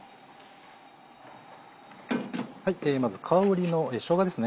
まず香りのしょうがですね。